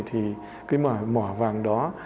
thì cái mỏ vàng đó